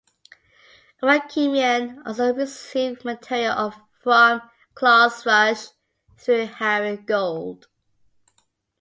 Ovakimian also received material from Klaus Fuchs through Harry Gold.